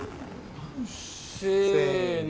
せの！